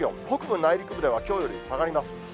北部内陸部ではきょうより下がります。